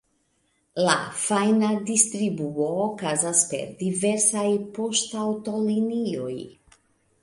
La fajna distribuo okazas per diversaj poŝtaŭtolinioj.